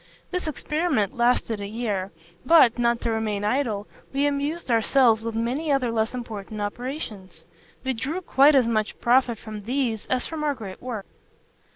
This experiment lasted a year; but, not to remain idle, we amused ourselves with many other less important operations. We drew quite as much profit from these as from our great work.